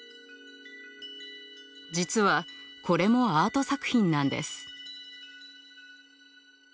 実はこれもアート作品なんです。